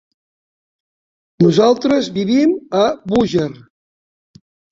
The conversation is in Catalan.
Nosaltres vivim a Búger.